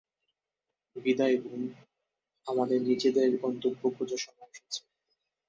বিদায় বোন, আমাদের নিজেদের গন্তব্য খোঁজার সময় এসেছে।